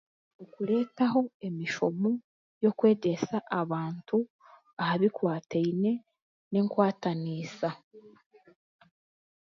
Nikireetaho emishomo y'okwegyesa abantu aha bikwataine n'enkwataniisa